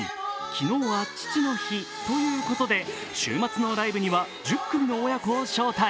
昨日は父の日ということで、週末のライブには１０組の親子を招待。